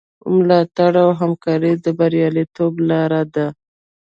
ملاتړ او همکاري د بریالیتوب لاره ده.